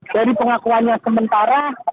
dari pengakuannya sementara